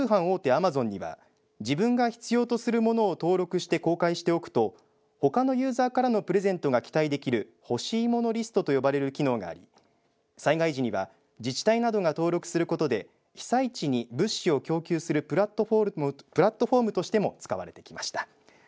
アマゾンには自分が必要とするものを登録して公開しておくとほかのユーザーからのプレゼントが期待できるほしい物リストと呼ばれる機能があり災害時には自治体などが登録することで被災地に物資を供給するプラットフォームとしても使われてきました。